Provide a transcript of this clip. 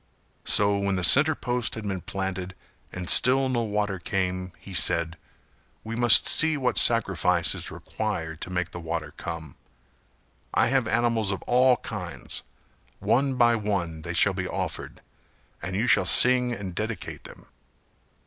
So when the centre post had been planted and still no water came he said "We must see what sacrifice is required to make the water come. I have animals of all kinds; one by one they shall be offered and you shall sing and dedicate them."